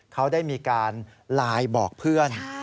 เขาได้มีการไลน์บอกเพื่อน